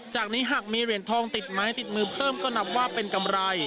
จากนี้หากมีเหรียญทองติดไม้ติดมือเพิ่มก็นับว่าเป็นกำไร